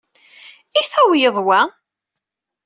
I tawyeḍ wa?